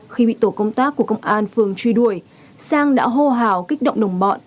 khi bị tổ công tác của công an phường truy đuổi sang đã hô hào kích động đồng bọn